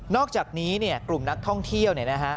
อกจากนี้เนี่ยกลุ่มนักท่องเที่ยวเนี่ยนะฮะ